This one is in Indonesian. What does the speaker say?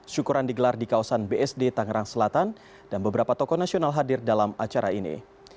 syukuran digelar di kawasan bsd tangerang selatan dan beberapa tokoh nasional hadir dalam acara ini